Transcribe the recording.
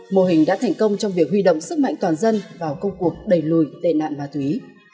mô hình đã thành công trong việc huy động sức mạnh toàn dân vào công cuộc đẩy lùi tệ nạn ma túy